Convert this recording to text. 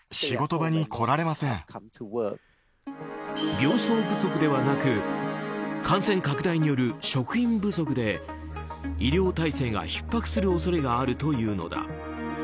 病床不足ではなく感染拡大による職員不足で医療体制がひっ迫する恐れがあるというのだ。